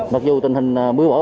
mặc dù tình hình mưa bão